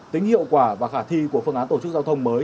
tính hiệu quả và khả thi của phương án tổ chức giao thông mới